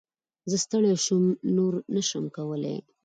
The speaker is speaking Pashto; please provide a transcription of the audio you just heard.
زه ستړی شوم ، نور نه شم کولی !